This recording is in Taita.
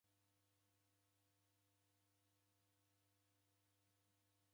W'uasi ghungi ndeghuko ghala na sere.